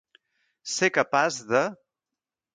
Ser capaç de.